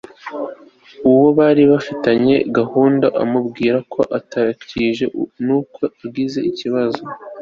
uwo bari bafitanye gahunda amubwira ko atakije kuko agize ikibazo